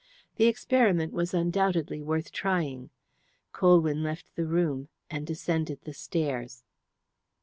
The experiment was undoubtedly worth trying. Colwyn left the room and descended the stairs.